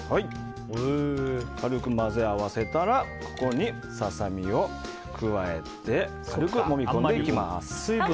軽く混ぜ合わせたらここにササミを加えて軽くもみ込んでいきます。